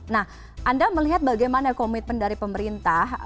nah anda melihat bagaimana komitmen dari pemerintah